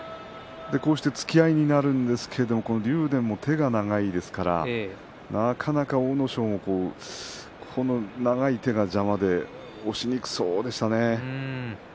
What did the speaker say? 突き合いになりますけども竜電が手が長いですからなかなか阿武咲も長い手が邪魔で押しにくそうでしたね。